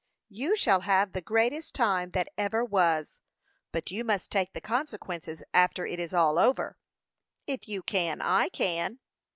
"You shall have the greatest time that ever was, but you must take the consequences after it is all over." "If you can, I can."